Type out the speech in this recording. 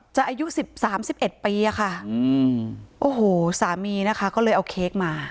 จะอายุสามสิบเอ็ดปีอะค่ะโอ้โหสามีนะคะก็เลยเอาเค้กมา